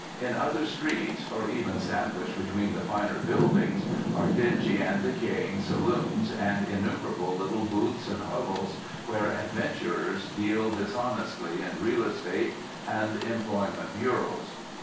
In other streets, or even sandwiched between the finer buildings, are dingy and decaying saloons, and innumerable little booths and hovels where adventurers deal dishonestly in Real Estate, and Employment Bureaux.